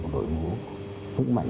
một đội ngũ vững mạnh